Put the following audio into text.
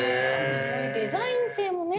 そういうデザイン性もね。